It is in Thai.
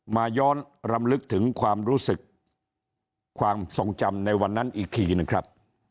มาย้อนรำลึกถึงความรู้สึกความทรงจำในวันนั้นอีกทีหนึ่งครับ